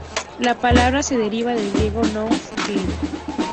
La palabra se deriva del griego 'nous', Gen.